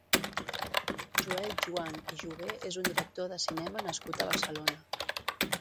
Joel Joan i Juvé és un director de cinema nascut a Barcelona.